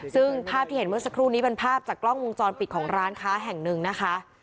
ซึ่งภาพที่เห็นเมื่อสักครู่นี้เป็นภาพจากกล้องวงจรปิดของร้านค้าแห่งหนึ่งนะคะ